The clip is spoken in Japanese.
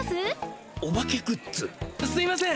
すいません。